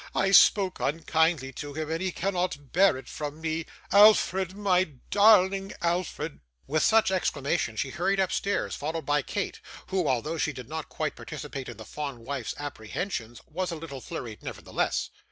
I spoke unkindly to him, and he cannot bear it from me. Alfred, my darling Alfred.' With such exclamations, she hurried upstairs, followed by Kate who, although she did not quite participate in the fond wife's apprehensions, was a little flurried, nevertheless.